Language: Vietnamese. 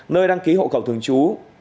nơi đăng ký hộ khẩu thường chú